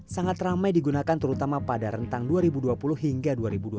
sangat ramai digunakan terutama pada rentang dua ribu dua puluh hingga dua ribu dua puluh